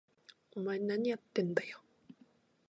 お前、なにやってんだよ！？